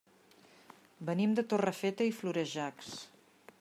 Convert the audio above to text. Venim de Torrefeta i Florejacs.